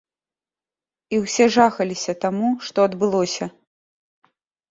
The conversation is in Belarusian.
І ўсе жахаліся таму, што адбылося.